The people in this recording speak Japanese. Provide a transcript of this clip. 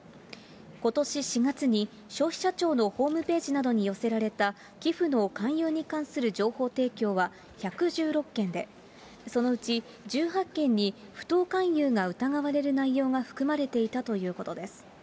ことし４月に消費者庁のホームページなどに寄せられた寄付の勧誘に関する情報提供は１１６件で、そのうち１８件に不当勧誘が疑われる内容が含まれていたということです。